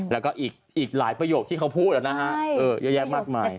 แล้วก็อีกหลายประโยคที่เขาพูดนะฮะเยอะแยะมากมาย